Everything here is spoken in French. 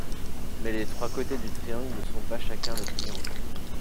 Mais les trois côtés du triangle ne sont pas chacun le triangle.